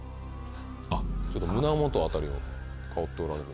あっ胸元辺りを香っておられる。